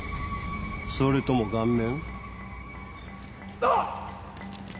それとも顔面？